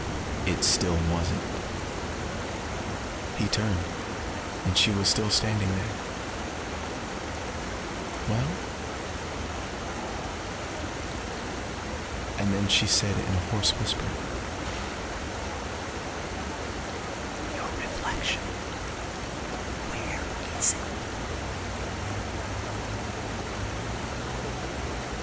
It still wasn't. He turned. And she was still standing there. "Well?" And then she said in a hoarse whisper: "_Your reflection where is it?